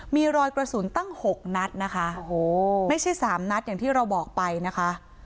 มีรอยกระสุนตั้งหกนัดนะคะโอ้โหไม่ใช่สามนัดอย่างที่เราบอกไปนะคะ